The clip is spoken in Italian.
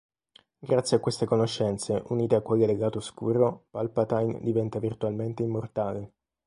Grazie a queste conoscenze, unite a quelle del Lato Oscuro, Palpatine diventa virtualmente immortale.